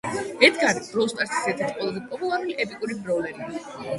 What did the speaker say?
ედგარი Brawl Stars-ის ერთ-ერთი ყველაზე პოპულარული, ეპიკური ბრაულერია